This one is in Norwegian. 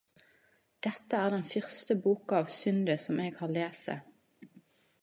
Dette er den fyrste boka av Sunde som eg har lese.